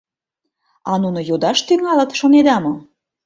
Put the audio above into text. — А нуно йодаш тӱҥалыт шонеда мо?